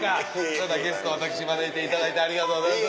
今回ゲスト私招いていただいてありがとうございます。